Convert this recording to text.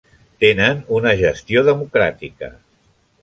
Tenen una gestió democràtica.